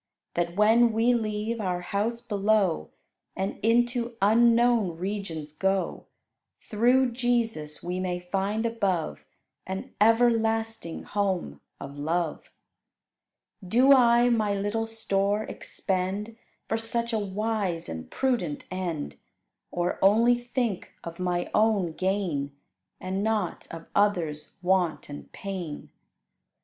That when we leave our house below, And into unknown regions go, Through Jesus, we may find above An everlasting home of love. Do I my little store expend For such a wise and prudent end; Or only think of my own gain, And not of others' want and pain?